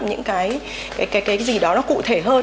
những cái gì đó nó cụ thể hơn